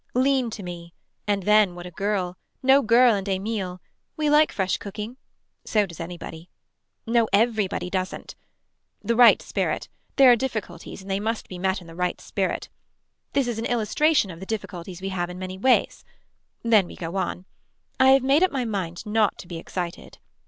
Lean to me. And then what a girl. No girl and Emil. We like fresh cooking. So does anybody. No everybody doesn't. The right spirit. There are difficulties and they must be met in the right spirit. This is an illustration of the difficulties we have in many ways. Then we go on. I have made up my mind not to be excited.